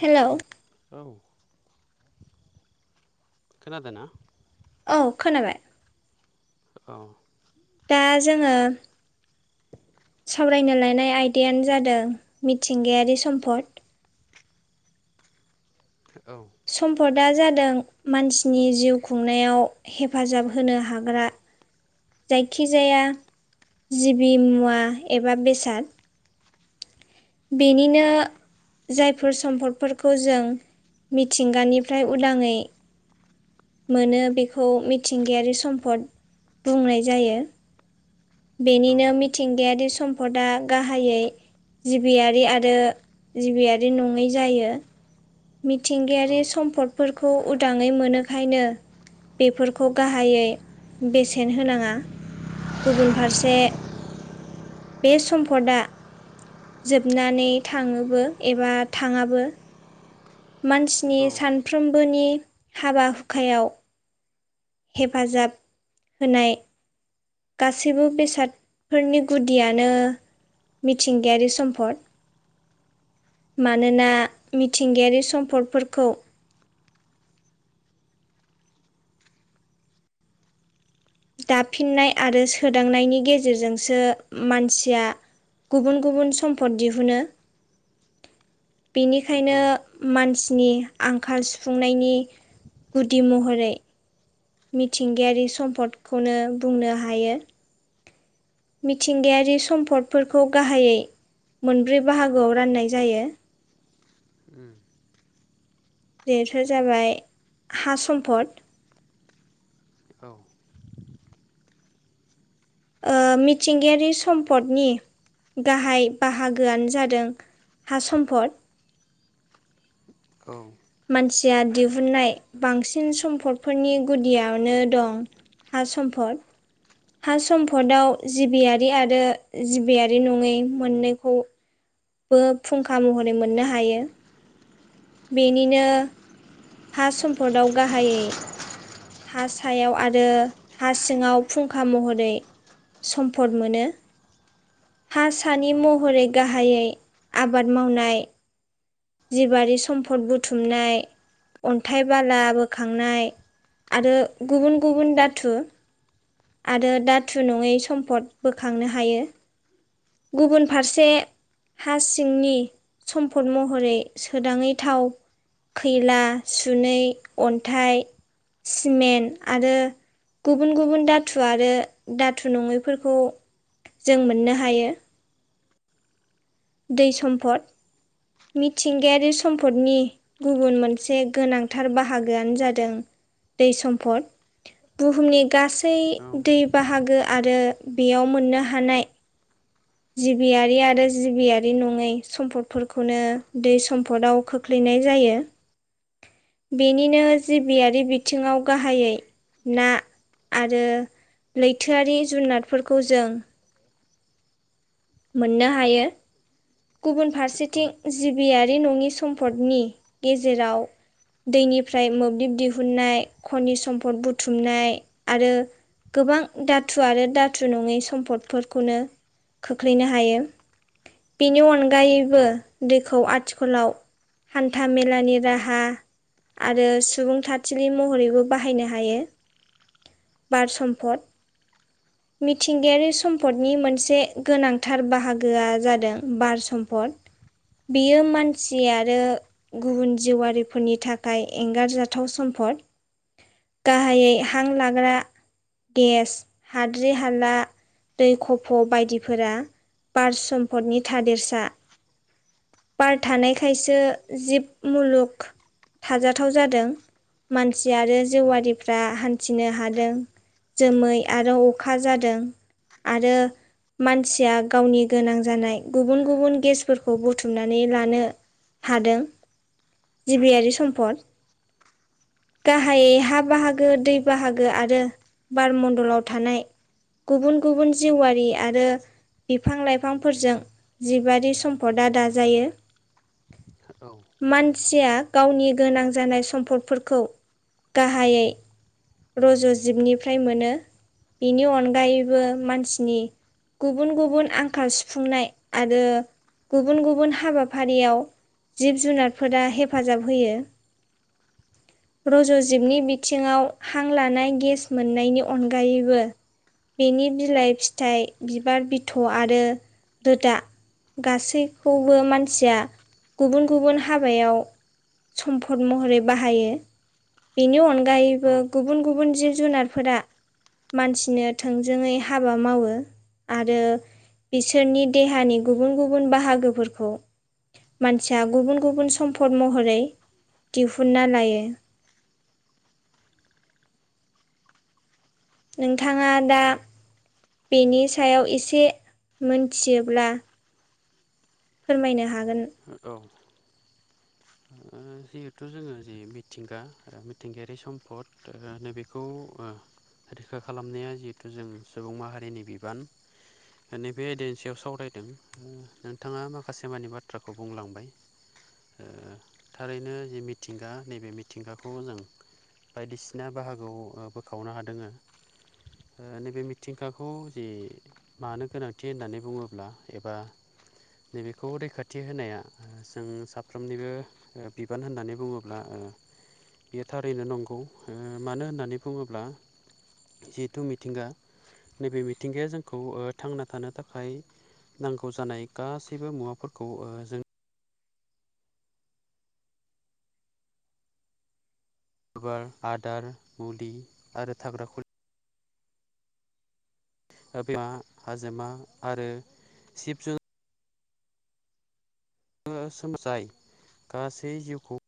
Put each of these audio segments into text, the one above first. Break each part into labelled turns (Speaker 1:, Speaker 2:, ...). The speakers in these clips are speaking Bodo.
Speaker 1: हेल'
Speaker 2: औ खोनादोंना?
Speaker 1: औ खोनाबाय।
Speaker 2: औ।
Speaker 1: दा जोङो सावरायनो लानाय आयदायानो जादों मिथिंगायारि सम्पद।
Speaker 2: औ
Speaker 1: सम्पदा जादों मानसिनि जिउ खुंनायाव हेफाजाब होनो हाग्रा जायखिजाया जिबि मुवा एबा बेसाद। बेनिनो जायफोर सम्फदफोरखौ जों मिथिंगानिफ्राय उदाङै मोनो बेखौ मिथिंगायारि सम्पद बुंनाय जायो
Speaker 2: औ
Speaker 1: बेनिनो मिथिंगायारि सम्पदा गाहायै जिबियारि आरो जिबियारि नङै जायो। मिथिंगायारि सम्पदफोरखौ उदाङै मोनोखायनो बेफोरखौ गाहायै बेसेन होनाङा। गुबुन फारसे बे सम्पदआ जोबनानै थाङोबो एबा थाङाबो। मानसिनि
Speaker 2: औ
Speaker 1: सानफ्रोमबोनि हाबा हुखायाव हेफाजाब होनाय गासैबो बेसादफोरनि गुदियानो मिथिंगायारि सम्पद। मानोना मिथिंगायारि सम्पदफोरखौ दाफिननाय आरो सोदांनायनि गेजेरजोंसो मानसिया गुबुन गुबुन सम्पद दिहुनो। बेनिखायनो
Speaker 2: औ
Speaker 1: मानसिनि आंखाल सुफुंनायनि गुदि महरै मिथिंगायारि सम्पदखौनो बुंनो हायो। मिथिंगायारि सम्पदफोरखौ गाहायै मोनब्रै बाहागोआव राननाय जायो।
Speaker 2: उम
Speaker 1: बेथ' जाबाय हा सम्फद।
Speaker 2: औ।
Speaker 1: ओ मिथिंगायारि सम्पदनि गाहाय बाहागोआनो जादों हा सम्फद।
Speaker 2: औ
Speaker 1: मानसिया दिहुननाय बांसिन सम्पदफोरनि गुदियावनो दं हा सम्फद। हा सम्पदआव जिबियारि आरो जिबियारि नङै मोननैखौ बो फुंखा महरै मोननो हायो। बेनिनो हा सम्पदआव गाहायै। हा सायाव आरो हा सिङाव फुंखा महरै सम्फद मोनो। हा सानि
Speaker 2: औ
Speaker 1: महरै गाहायै आबाद मावनाय। जिबारि सम्फद बुथुमनाय अन्थाइ बाला बोखांनाय आरो गुबुन गुबुन दाथु। आरो दाथु नङै सम्पद बोखांनो हायो। गुबुन फारसे हा सिंनि सम्पद मह हरै सोदाङै थाव खैला सुनै अन्थाइ सिमेन्ट आरो गुबुन गुबुन दाथु आरो दाथु नङैफोरखौ जों मोननो हायो। दै सम्पद मिथिंगायारि सम्पदनि गुबुन मोनसे गोनांथार बाहागोआनो जादों दै सम्पद। बुहुमनि गासै दै बाहागो आरो बेयाव मोननो हानाय। जिबियारि आरो जिबियारि नङै सम्पदफोरखौनो दै सम्पदाव खोख्लैनाय जायो। बेनिनो जिबियारि बिथिङाव गाहायै ना आरो लैथोआरि जुनारफोरखौ जों मोननो हायो। गुबुन फारसेथिं जिबियारि नङि सम्पदनि गेजेराव। दैनिफ्राय मोब्लिब दिहुननाय खनि सम्फद बुथुमनाय आरो। गोबां दाथु आरो दाथु नङै सम्पदफोरखौनो खोख्लैनो हायो। बिनि अनगायैबो दैखौ आथिखालाव हान्था मेलानि राहा आरो सुबुं थाथिनि महरैबो बाहायनो हायो। बार सम्फद मिथिंगायारि सम्पदनि मोनसे गोनांथार बाहागोआ जादों बार सम्फद बियो मानसि आरो गुबुन जिउआरिफोरनि थाखाय एंगारजाथाव सम्पद। गाहायै हां लाग्रा गेस हाद्रि हाला दै खफ' बायदिफोरा बार सम्पदनि थादेरसा बार थानायखायसो जिब मुलुग थाजाथाव जादों मानसि आरो जिवारि दा हान्थिनो हादों जोमै आरो अखा जादों। आरो मानसिया गावनि गोनां जानाय। गुबुन गुबुन गेसफोरखौ बुथुमनानै लानो हादों। जिबियारि सम्पद गाहायै हा बाहागो दै बाहागो आरो बार मण्डलाव थानाय गुबुन गुबुन जिउवारि आरो बिफां लाइफांफोरजों जिबारि सम्पदा दाजायो।
Speaker 2: हेलौ
Speaker 1: मानसिया गावनि गोनां जानाय सम्पदफोरखौ गाहायै रज'जिबनिफ्राय मोनो। बिनि अनगायैबो मानसिनि गुबुन गुबुन आंखाल सुफुंनाय। आरो गुबुन गुबुन हाबाफारियाव जिब जुनारफोरा हेफाजाब होयो। रज'जिबनि बिथिङाव हां लानाय गेस मोननायनि अनगायैबो बेनि बिलाइ फिथाइ बिबार बिथ' आरो रोदा गासैखौबो मानसिया गुबुन गुबुन हाबायाव सम्पद महरै बाहायो बिनि
Speaker 2: औ
Speaker 1: अनगायैबो गु बुन गुबुन जिब जुनारफोरा मानसिनो थोंजोङै हाबा मावो आरो बिसोरनि देहानि गुबुन गुबुन बाहागोफोरखौ मानसिया गुबुन गुबुन सम्फद महरै दिहुनना लायो। नोंथाङा दा बेनि सायाव एसे मोनथियोब्ला फोरमायनो हागोन
Speaker 2: औ ओ जिहेथु जोङो जिे मिथिंगा मिथिंगायारि सम्पद ओ नैबे बेखौ ओ रैखा खालामनाया जिहेथु जों सुबुं माहारिनि बिबान। नैबे एदनि सायाव सावरायदों नोंथाङा माखासे मानिे बाथ्राखौ बुंलांबाय। ओ थारैनो जि मिथिंगा नैबे मिथिंगाखौ जों बायदिसिना बाहागो ओ बोखावनो हादों नैबे मिथिंगाखौ जे मानो गोनांथि होननानै बुङोब्ला एबा नैबेखौ रैखाथि होनाया जों साफ साफ्रोमनिबो बिबान होननानै बुङोब्ला ओ बेयो थारैनो नंगौ ओ मानो होननानै बुङोब्ला जिहेथु मिथिंगा नैबे मिथिंगाया ओ जोंखौ थांना थानो थाखाय नांगौ जानाय गासैबो मुवाफोरखौ ओ जों बार आदार मुलि आरो थाग्रा खुलि बिमा हाजोमा आरो शिब जुन ङसोमजाय गासै जिउखौ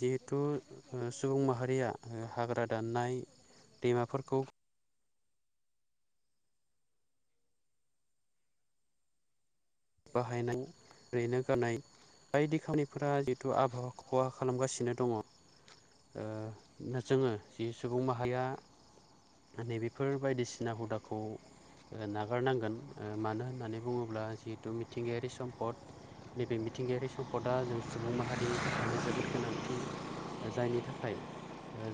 Speaker 2: जिहेथु ओ सुबुं माहारिया ओ हाग्रा दाननाय दैमाफोरखौ बाहायनाय रैनो गानाय बायदि खामानिफोरा जिहेतु आबहावा खालामगासिनो दङ। ओ जोङो जि सुबुं माहाया नैबेफोर बायदिसिना हुदाखौ ओ नागारनांगोन मानो होननानै बुङोब्ला जिहेतु मिथिंगायारि सम्पद। नैबे मिथिंगायारि सम्पदआ जों सुबुं माहारि थाखाय जोबोद गोनांथि। जायनि थाखाय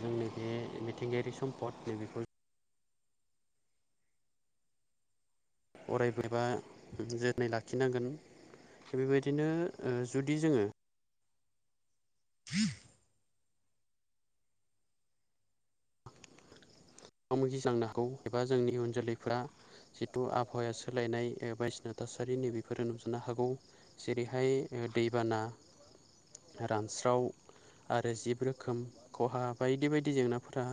Speaker 2: जोंनि बे मिथिंगायारि सम्पद नैबेखौ अरायबो्रबा जोथोनै लाखिनांगोन। बेबायदिनो ओ जुदि जोङो
Speaker 1: [inaudible]
Speaker 2: मोगा मोगि जांनो हांगौ एबा जोंनि उयन जोलैफ्रा जिथु आबहावाया सोलायनाय बायदिसिना थासारि नैबेफोरो नुजानो हागौ। जेरैहाय दैबाना रानस्राव आरो जिब रोखोम खहा बायदि बायदि जेंनाफोरा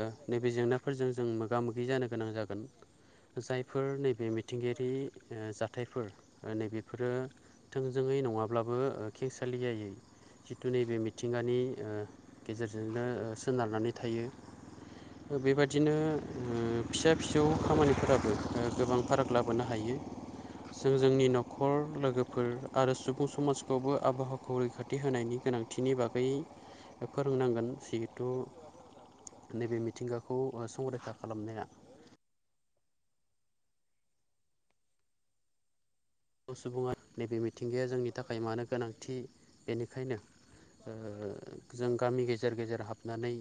Speaker 2: ओ नैबे जेंनाफोरजों जों मोगा मोगि जानो गोनां जागोन। जायफोर नैबे मिथिंगायारि ओ जाथायफोर ओ नैबेफोरो थोंजोङै नङाब्लाबो खेसालियायै जिथु नैबे मिथिंगानि ओ गेजेरजोंनो ओ सोनारनानै थायो। बेबादिनो ओ फिसा फिसौ खामानिफोराबो गोबां फाराग लाबोनो हायो। जों जोंनि न'खर लोगोफोर आरो सुबुं समाजखौबो आबहावाखौ रैखाथि होनायनि गोनांथि थिनि बागै फोरोंनांगोन जिहेथु नैबे मिथिंगाखौ संरैखा खालामनाया बर सुबुङा नैबे मिथिंगाया जोंनि थाखाय मानो गोनांथि बेनिखायनो ओ जों गामि गेजेर गेजेर हाबनानै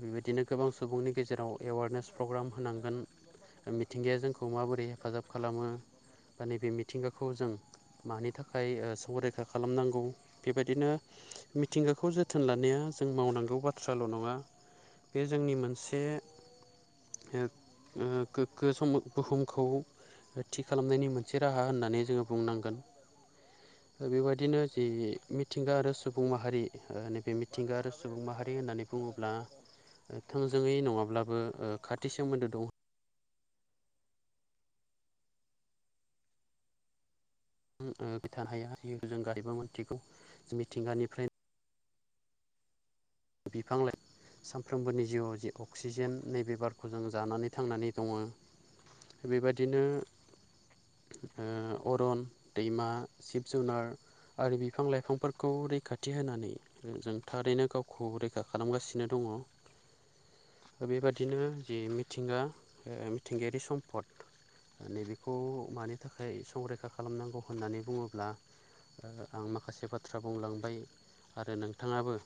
Speaker 2: बेबायदिनो गोबां सुबुंनि गेजेराव एवारनेस प्रग्राम होनांगोन मिथिंगाया जोंखौ माबोरै हेफाजाब खालामो बा नैबे मिथिंगाखौ जों मानि थाखाय ओ संरैखा खालामनांगौ बेबायदिनो मिथिंगाखौ जोथोन लानाया जों मावनांगौ बाथ्राल' नङा। बे जोंनि मोनसे ओ-ओ गोगगो सम बुहुमखौ थि खालामनायनि मोनसे रा हा होननानै जोङो बुंनांगोन।
Speaker 1: [inaudible]
Speaker 2: बेबायदिनो जि मिथिंगा आरो सुबुं माहारि नैबे मिथिंगा आरो सुबुं माहारि होननानै बुङोब्ला थोंजोङै नङाब्लाबो ओ खाथि सोमोन्दो दं‌। [unintelligible] मिथिगौ जों मिथिंगानिफ्राय बिफां लाय सानफ्रोमबोनि जिउआव जि अक्सिजेन नैबे बारखौ जों जानानै थांनानै दङ। बेबायदिनो ओ अरन दैमा जिब जुनार आरो बिफां लाइफांफोरखौ रैखाथि होनानै जों थारैनो गाव खौ रैखा खालामगासिनो दङ। बेबादिनो जे मिथिंगा ओ मिथिंगायारि सम्पद नैबेखौ मानि थाखाय संरैखा खालामनांगौ होननानै बुङोब्ला? आं माखासे बाथ्रा बुंलांबाय आरो नोंथाङाबो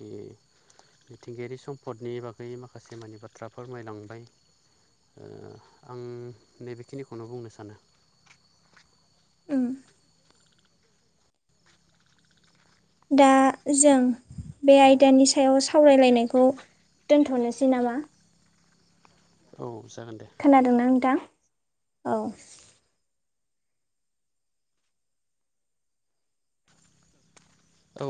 Speaker 2: जि मिथिंगायारि सम्फदनि बागै माखासे मानि बाथ्रा फोरमायलांबाय। ओ आं नैबेखिनिखौनो बुंनो सानो।
Speaker 1: उम दा जों बे आयदानि सायाव सावरायलायनायखौ दोनथ'नोसै नामा?
Speaker 2: औ जागोन दे।
Speaker 1: खोनादों ना नोंथां? औ
Speaker 2: औ